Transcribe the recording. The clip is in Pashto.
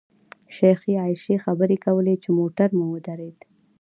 شیخې عایشې خبرې کولې چې موټر مو ودرېد.